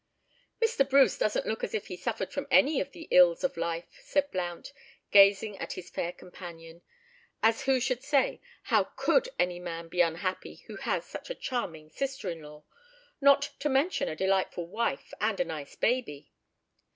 "Mr. Bruce doesn't look as if he suffered from any of the ills of life," said Blount, gazing at his fair companion, as who should say, "How could any man be unhappy who has such a charming sister in law, not to mention a delightful wife and a nice baby?"